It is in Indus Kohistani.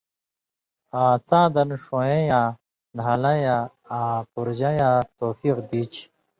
آں څاں دن ݜُوںوَیں یاں، نھالَیں یاں آں پورژَیں یاں توفیق دی چھی؛